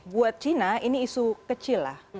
buat cina ini isu kecil lah